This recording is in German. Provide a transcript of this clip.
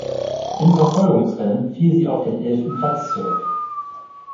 Im Verfolgungsrennen fiel sie auf den elften Platz zurück.